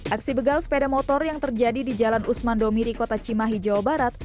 aksi begal sepeda motor yang terjadi di jalan usman domiri kota cimahi jawa barat